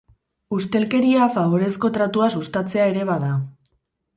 Ustelkeria faborezko tratua sustatzea ere bada.